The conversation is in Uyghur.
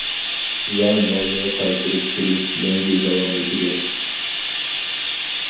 زاڭ مالنى قايتۇرۇپ كېلىش مەڭگۈ داۋاملىشىدۇ.